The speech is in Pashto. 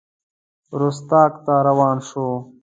رُستاق ته روان شو.